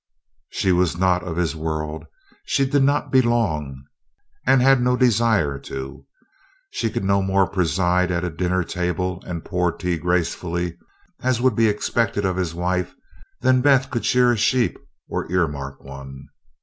She was not of his world, she did not "belong," and had no desire to. She could no more preside at a dinner table or pour tea gracefully, as would be expected of his wife, than Beth could shear a sheep or earmark one.